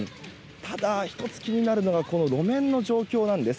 ただ、１つ気になるのが路面の状況なんです。